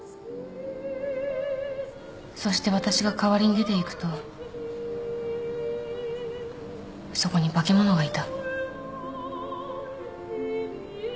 そして私が代わりに出ていくとそこに化け物がいた。